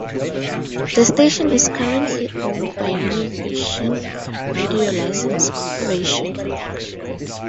The station is currently owned by Univision Radio License Corporation.